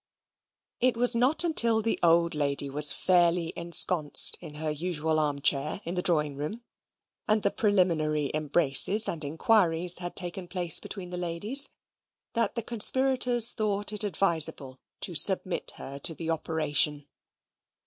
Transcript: It was not until the old lady was fairly ensconced in her usual arm chair in the drawing room, and the preliminary embraces and inquiries had taken place between the ladies, that the conspirators thought it advisable to submit her to the operation.